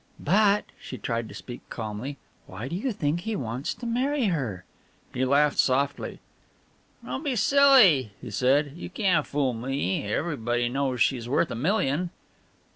"But" she tried to speak calmly "why do you think he wants to marry her?" He laughed softly. "Don't be silly," he said, "you can't fool me. Everybody knows she's worth a million."